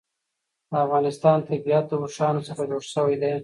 د افغانستان طبیعت له اوښانو څخه جوړ شوی دی.